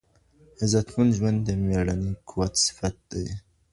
عزتمن ژوند د مېړني قوم صفت دی.